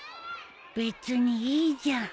別にいいじゃん。